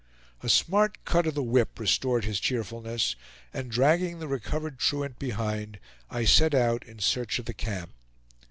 A smart cut of the whip restored his cheerfulness; and dragging the recovered truant behind, I set out in search of the camp.